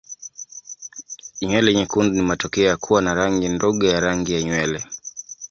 Nywele nyekundu ni matokeo ya kuwa na rangi ndogo ya rangi ya nywele.